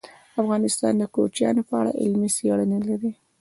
افغانستان د کوچیانو په اړه علمي څېړنې لري.